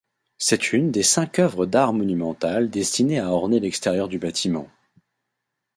C'est une des cinq œuvres d'art monumentales destinées à orner l'extérieur du bâtiment.